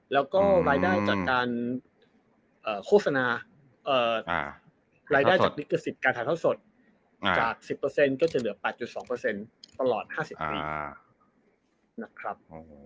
แล้วก็รายได้จากการโฆษณารายได้จากลิขสิทธิ์การถ่ายเท่าสดจาก๑๐ก็จะเหลือ๘๒ตลอด๕๐ปีนะครับ